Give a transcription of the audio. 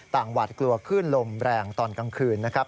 หวาดกลัวขึ้นลมแรงตอนกลางคืนนะครับ